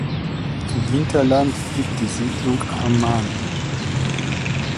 Im Hinterland liegt die Siedlung Aman.